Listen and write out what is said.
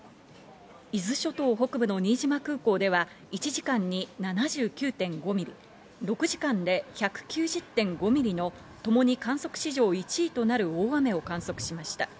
伊豆諸島北部の新島空港では１時間に７９．５ミリ、６時間で１９０．５ミリの、ともに観測史上１位となる大雨を観測しました。